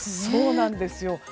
そうなんですよ。